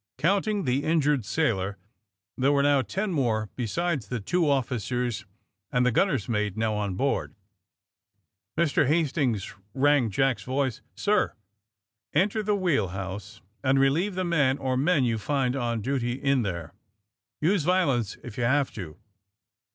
Counting the injured sailor, there were now ten men besides the two officers and the gun ner's mate now on board. Mr. Hastings!" rang Jack's voice. '^Sir?" Enter the wheel house and relieve the man or men you find on duty in there. Use violence if you have to.